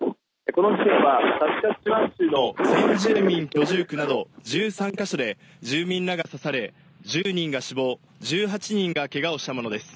この事件はサスカチワン州の先住民居住区など１３か所で住民らが刺され、１０人が死亡、１８人がけがをしたものです。